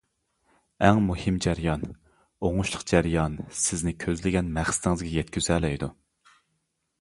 ئەڭ مۇھىم جەريان، ئوڭۇشلۇق جەريان سىزنى كۆزلىگەن مەقسىتىڭىزگە يەتكۈزەلەيدۇ.